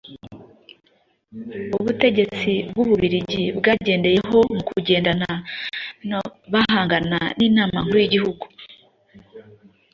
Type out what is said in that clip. ubutegetsi bw'Ububiligi bwagendeyeho mu kugenda bahangana n'Inama Nkuru y'Igihugu.